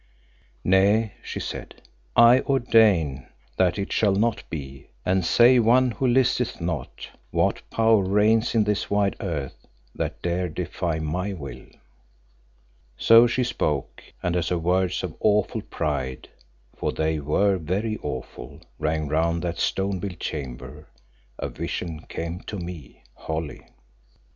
"Nay," she said. "I ordain that it shall not be, and save One who listeth not, what power reigns in this wide earth that dare defy my will?" So she spoke, and as her words of awful pride for they were very awful rang round that stone built chamber, a vision came to me Holly.